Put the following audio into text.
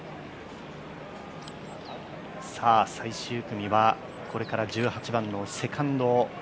最終組はこれから１８番のセカンド。